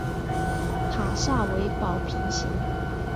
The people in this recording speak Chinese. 塔刹为宝瓶形。